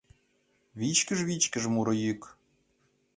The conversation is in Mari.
Вичкыж-вичкыж муро йӱк